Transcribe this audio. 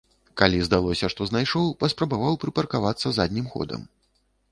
Калі здалося, што знайшоў, паспрабаваў прыпаркавацца заднім ходам.